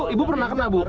ibu pernah kena bu